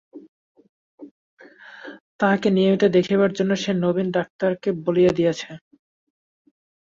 তাঁহাকে নিয়মিত দেখিবার জন্য সে নবীন-ডাক্তারকে বলিয়া দিয়াছে।